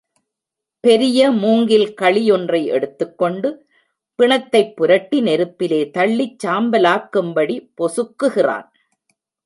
பெரிய மூங்கில் கழி ஒன்றை எடுத்துக் கொண்டு பிணத்தைப் புரட்டி நெருப்பிலே தள்ளிச் சாம்பலாக்கும் படி பொசுக்குகிறான்.